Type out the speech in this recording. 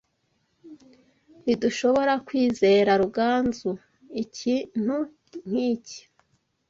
Ntidushobora kwizera Ruganzu ikintu nkiki.